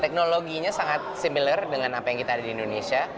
teknologinya sangat similar dengan apa yang kita ada di indonesia